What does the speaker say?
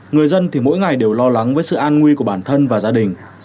người dân thì mỗi ngày đều lo lắng với sự an nguy của bản thân và gia đình